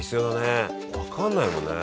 分かんないもんね。